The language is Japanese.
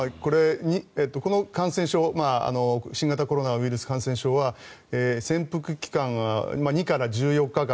この感染症新型コロナウイルス感染症は潜伏期間は２から１４日間。